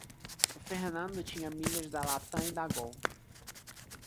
O Fernando tinha milhas da Latam e da Gol.